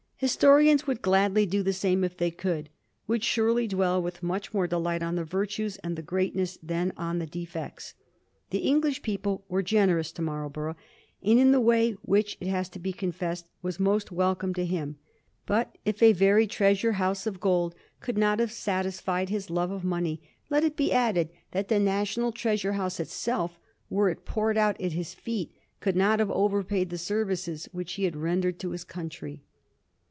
Historians would gladly do the same if they could ; would surely dwell with much more delight on the virtues and the greatness than on the defects. The English people were generous to Marlborough, and in the way which, it has to be confessed, was most welcome to him. But if a very treasure house t3 Digiti zed by Google 276 A HISTORY OF THE FOUR GEORGES. ch. xir of gold could not have satisfied his love of money, let it be added that the national treasure house itself, were it poured out at his feet, could not have over paid the services which he had rendered to his country.